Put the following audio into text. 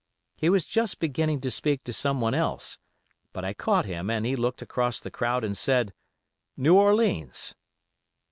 He was just beginning to speak to someone else, but I caught him and he looked across the crowd and said 'New Orleans!